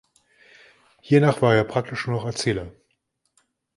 Hiernach war er praktisch nur noch Erzähler.